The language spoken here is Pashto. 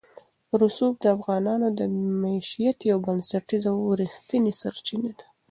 رسوب د افغانانو د معیشت یوه بنسټیزه او رښتینې سرچینه ده.